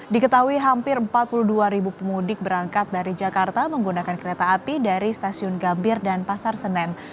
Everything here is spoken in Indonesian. diketahui hampir empat puluh dua ribu pemudik berangkat dari jakarta menggunakan kereta api dari stasiun gambir dan pasar senen